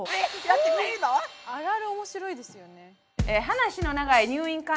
あるある面白いですよね。